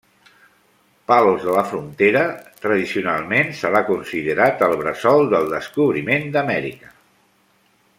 Palos de la Frontera tradicionalment se l'ha considerat el bressol del descobriment d'Amèrica.